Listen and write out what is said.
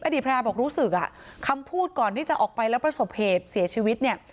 ภรรยาบอกรู้สึกอ่ะคำพูดก่อนที่จะออกไปแล้วประสบเหตุเสียชีวิตเนี่ย